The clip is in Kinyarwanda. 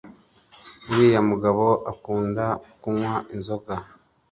uriya mugabo akunda kunnywa inzoga